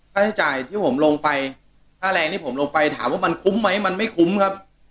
ค่าใช้จ่ายที่ผมลงไปค่าแรงที่ผมลงไปถามว่ามันคุ้มไหมมันไม่คุ้มครับ